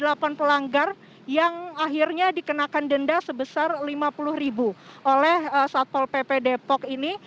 dapat lima puluh delapan pelanggar yang akhirnya dikenakan denda sebesar rp lima puluh oleh satpol pp depok ini